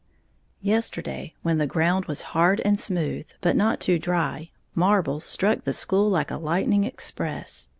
_ Yesterday, when the ground was hard and smooth, but not too dry, marbles struck the school like a lightning express.